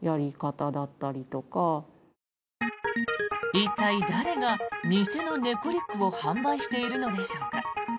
一体、誰が偽の猫リュックを販売しているのでしょうか。